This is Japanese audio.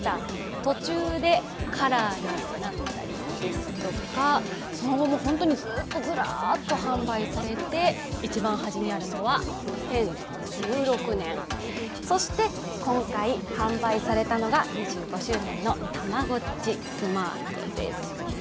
途中でカラーになったりですとかその後もずっと販売されて、１番端にあるのは２０１６年、そして今回、販売されたのが２５周年のタマゴッチスマートです。